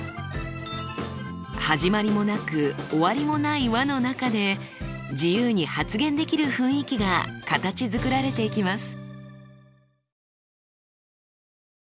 始まりもなく終わりもない輪の中で自由に発言できる雰囲気が形づくられていきます。